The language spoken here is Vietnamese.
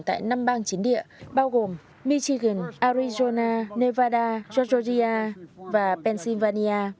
tại năm bang chiến địa bao gồm michigan arizona nevada georgea và pennsylvania